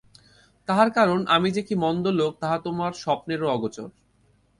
তাহার কারণ, আমি যে কী মন্দ লোক তাহা তোমার স্বপ্নেরও অগোচর।